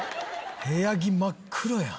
「部屋着真っ黒や」